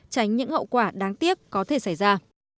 tránh những hậu quả đáng tiếc có thể xảy ra